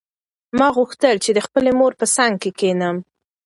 ما غوښتل چې د خپلې مور په څنګ کې کښېنم.